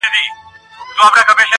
o په زلفو ورا مه كوه مړ به مي كړې.